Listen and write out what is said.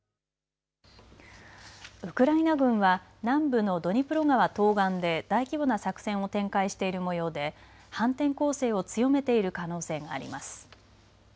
ウクライナ軍は南部のドニプロ川東岸で大規模な作戦を展開しているもようで反転攻勢を強めている可能性があります。